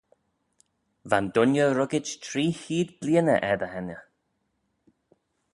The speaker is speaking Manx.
Va'n dooinney ruggit tree cheead bleeaney er dy henney.